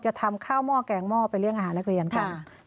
ทำข้าวหม้อแกงหม้อไปเลี่ยงอาหารนักเรียนค่ะ